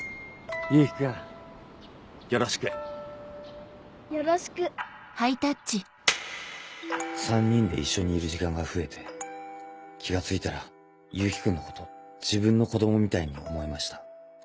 勇気君よろしくよろしく３人で一緒にいる時間が増えて気が付いたら勇気君のこと自分の子供みたいに思えました。